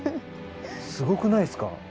すごくないっすか？